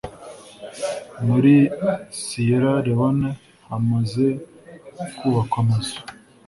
muri Siyera Lewone hamaze kubakwa Amazu